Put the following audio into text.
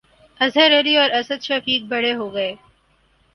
اظہر علی اور اسد شفیق 'بڑے' ہو گئے